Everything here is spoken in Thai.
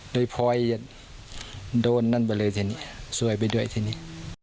โดยพลอยโดนนั่นไปเลยทีนี้ซวยไปด้วยทีนี้